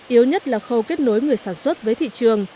yếu nhất là khâu kết nối người sản xuất với thị trường